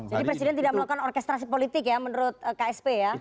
jadi presiden tidak melakukan orkestrasi politik ya menurut ksp ya